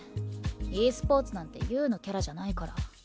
ｅスポーツなんてユウのキャラじゃないから。